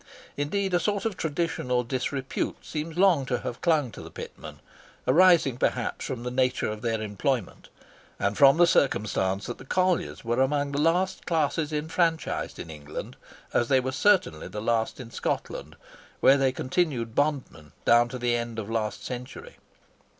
Indeed, a sort of traditional disrepute seems long to have clung to the pitmen, arising perhaps from the nature of their employment, and from the circumstance that the colliers were among the last classes enfranchised in England, as they were certainly the last in Scotland, where they continued bondmen down to the end of last century.